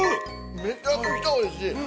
◆めちゃくちゃおいしい。